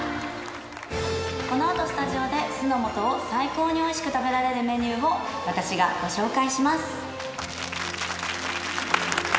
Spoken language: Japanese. このあとスタジオで酢の素を最高に美味しく食べられるメニューを私がご紹介します。